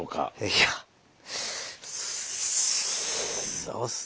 いやそうっすね。